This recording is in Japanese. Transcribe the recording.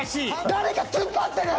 誰か突っ張ってる！